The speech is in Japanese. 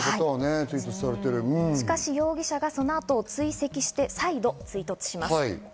しかし、容疑者が追跡し、再度追突します。